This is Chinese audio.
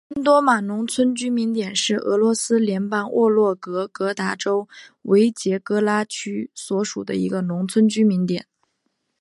安多马农村居民点是俄罗斯联邦沃洛格达州维捷格拉区所属的一个农村居民点。